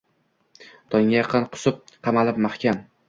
Tongga yaqin qusib, qamalib mahkam